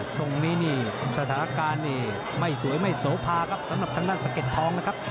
ตรงนี้สถานการณ์ไม่สวยไม่โสภาสำหรับทางด้านสเกียจทอง